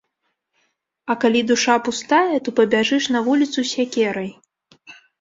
А калі душа пустая, то пабяжыш на вуліцу з сякерай.